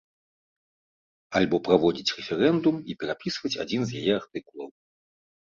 Альбо праводзіць рэферэндум і перапісваць адзін з яе артыкулаў.